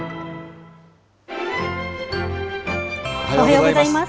おはようございます。